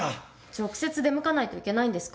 直接出向かないといけないんですか？